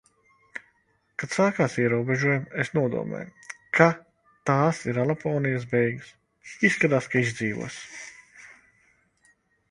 Kad sākās ierobežojumi, es nodomāju, ka tās ir Aleponijas beigas. Izskatās, ka izdzīvos.